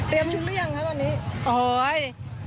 เตรียมชุดหรือยังครับวันนี้